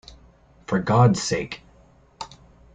For Gawd's sake!